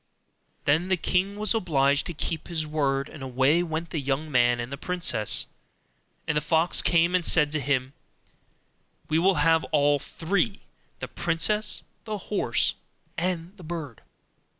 Then the king was obliged to keep his word, and away went the young man and the princess; and the fox came and said to him, 'We will have all three, the princess, the horse, and the bird.